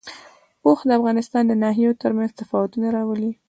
اوښ د افغانستان د ناحیو ترمنځ تفاوتونه راولي.